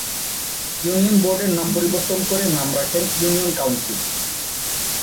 Union বোর্ডের নাম পরিবর্তন করে নাম রাখেন ইউনিয়ন কাউন্সিল।